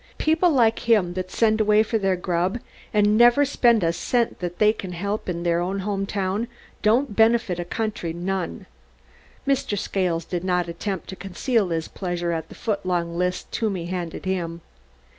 "People like him that send away for their grub and never spend a cent they can help in their home town don't benefit a country none." Mr. Scales did not attempt to conceal his pleasure at the foot long list Toomey handed him.